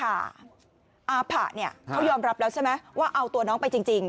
อาผะเขายอมรับแล้วใช่ไหมว่าเอาตัวน้องไปจริง